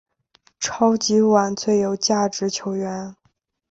超级碗最有价值球员。